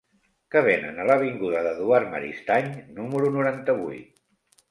Què venen a l'avinguda d'Eduard Maristany número noranta-vuit?